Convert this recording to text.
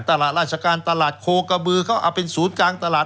ตลาดราชการตลาดโคกระบือเขาเอาเป็นศูนย์กลางตลาด